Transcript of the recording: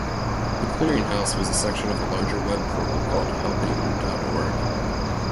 The Clearinghouse was a section of a larger web portal called Helping dot org.